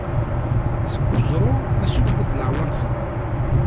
Seg uẓru, issufeɣ-d leɛwanser.